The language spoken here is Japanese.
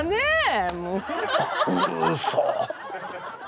うそ。